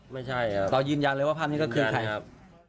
ไม่ใช่ครับเรายืนยันเลยว่าภาพนี้ก็คือใครครับ